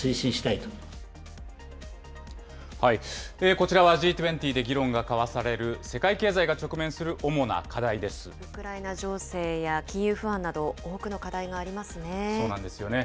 こちらはＧ２０で議論が交わされる、世界経済が直面する主なウクライナ情勢や金融不安なそうなんですよね。